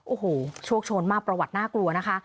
โอ้โหโชคโชนมากประวัติน่ากลัวนะคะ